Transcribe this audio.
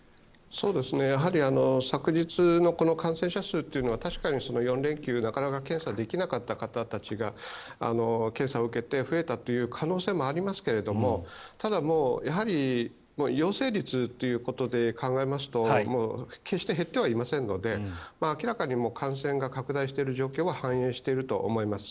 やはり昨日の感染者数というのは確かに４連休だからなかなか検査できなかった方たちが検査を受けて増えたという可能性もありますがただ、もう陽性率ということで考えますと決して減ってはいませんので明らかに感染が拡大している状況は反映していると思います。